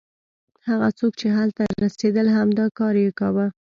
هغه څوک چې هلته رسېدل همدا کار یې کاوه.